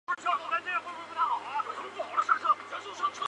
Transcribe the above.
长触合跳蛛为跳蛛科合跳蛛属的动物。